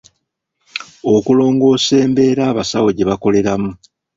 Okulongoosa embeera abasawo gye bakoleramu.